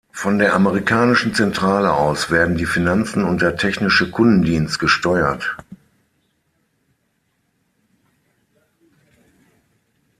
Von der amerikanischen Zentrale aus werden die Finanzen und der Technische Kundendienst gesteuert.